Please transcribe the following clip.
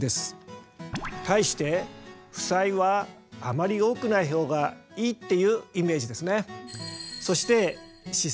対して負債はあまり多くない方がいいっていうイメージですね。